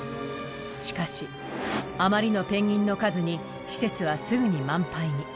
しかしあまりのペンギンの数に施設はすぐに満杯に。